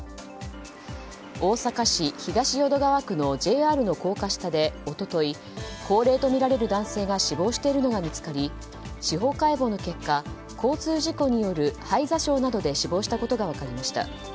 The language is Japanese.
大阪市東淀川区のＪＲの高架下でおととい、高齢とみられる男性が死亡しているのが見つかり司法解剖の結果、交通事故による肺挫傷などで死亡したことが分かりました。